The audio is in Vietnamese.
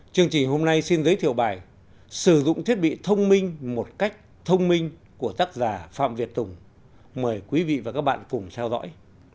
chương trình hôm nay xin giới thiệu bài sử dụng thiết bị thông minh một cách thông minh của tác giả phạm việt tùng mời quý vị và các bạn cùng theo dõi